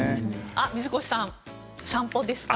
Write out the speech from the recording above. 水越さん、散歩ですか？